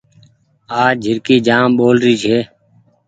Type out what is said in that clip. آج جهرڪي جآم ٻول ري ڇي۔